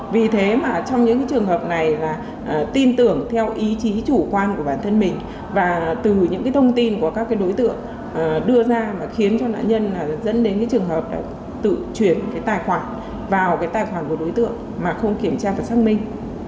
vì thế mà trong những trường hợp này là tin tưởng theo ý chí chủ quan của bản thân mình và từ những cái thông tin của các đối tượng đưa ra mà khiến cho nạn nhân dẫn đến trường hợp là tự chuyển cái tài khoản vào cái tài khoản của đối tượng mà không kiểm tra và xác minh